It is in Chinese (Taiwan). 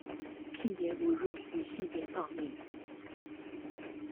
性別侮辱與性別暴力